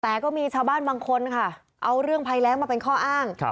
แต่ก็มีชาวบ้านบางคนค่ะเอาเรื่องภัยแรงมาเป็นข้ออ้าง